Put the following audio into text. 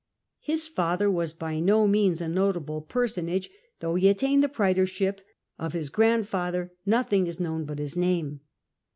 His father was by no means a notable personage, though he attained the praetorship : of his grandfather nothing is known but his name.